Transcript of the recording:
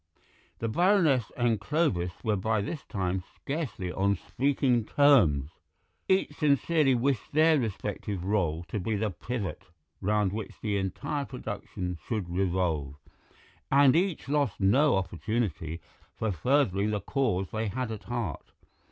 The Baroness and Clovis were by this time scarcely on speaking terms. Each sincerely wished their respective rÙle to be the pivot round which the entire production should revolve, and each lost no opportunity for furthering the cause they had at heart.